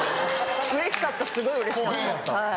うれしかったすごいうれしかった。